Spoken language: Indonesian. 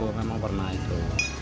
iya memang pernah itu